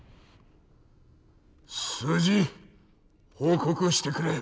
数字報告してくれ。